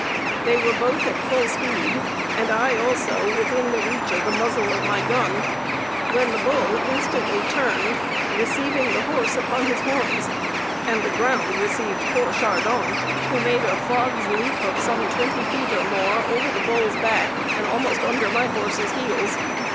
They were both at full speed and I also, within the reach of the muzzle of my gun, when the bull instantly turned, receiving the horse upon his horns, and the ground received poor Chardon, who made a frog's leap of some 20 feet or more over the bull's back and almost under my horse's heels.